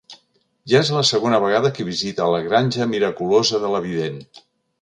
Ja és la segona vegada que visita la granja miraculosa de la vident.